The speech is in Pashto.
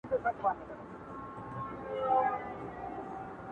ټک او ټوک چې زیاتېږي